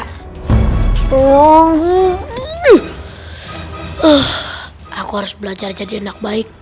hmm aku harus belajar jadi anak baik